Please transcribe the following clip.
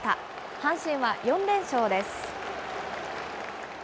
阪神は４連勝です。